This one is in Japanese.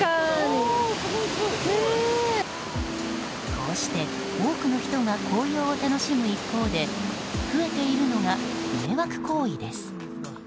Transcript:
こうして多くの人が紅葉を楽しむ一方で増えているのが迷惑行為です。